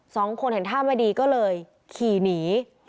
สองคนเห็นท่าไม่ดีก็เลยขี่หนี